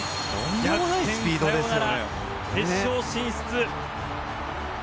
逆転サヨナラ、決勝進出。